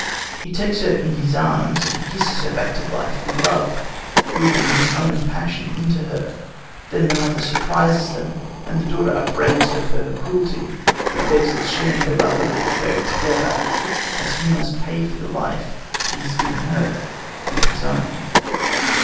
He takes her in his arms and kisses her back to life and love, breathing his own passion into her. Then the mother surprises them, and the daughter upbraids her for her cruelty, but begs that she and her lover may be buried together, as he must pay for the life he has given her with his own.